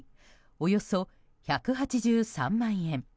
およそ１８３万円。